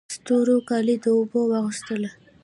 ستورو کالي د اوبو واغوستله